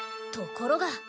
ところが。